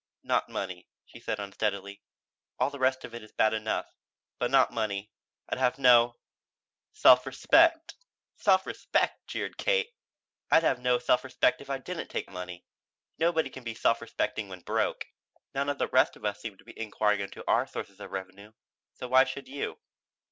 "Not money," she said unsteadily. "All the rest of it is bad enough but not money. I'd have no self respect." "Self respect!" jeered Kate. "I'd have no self respect if I didn't take money. Nobody can be self respecting when broke. None of the rest of us seem to be inquiring into our sources of revenue, so why should you?"